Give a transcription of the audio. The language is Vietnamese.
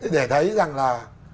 để thấy rằng là